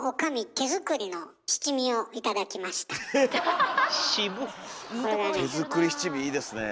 手作り七味いいですねえ。